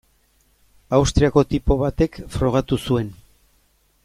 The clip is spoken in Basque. Austriako tipo batek frogatu zuen.